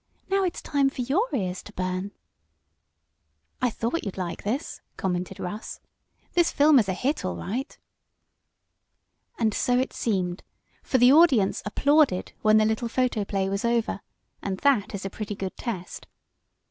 "Now it's your turn for your ears to burn." "I thought you'd like this," commented Russ. "This film is a hit, all right." And so it seemed, for the audience applauded when the little photo play was over, and that is a pretty good test.